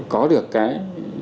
có được cái